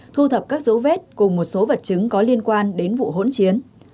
thu thập các dấu vết cùng một số vật chứng có liên quan đến vụ hỗn chiến